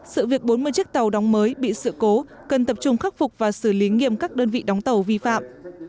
sự việc bốn mươi chiếc tàu đóng mới bị sự cố cần tập trung khắc phục và xử lý nghiêm các đơn vị đóng tàu vi phạm